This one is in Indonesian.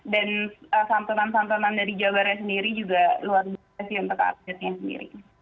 dan santunan santunan dari jabarnya sendiri juga luar biasa sih untuk atletnya sendiri